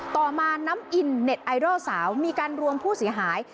ต่อมาน้ำอินเน็ตไอดอลสาวมีการรวมผู้เสียหาย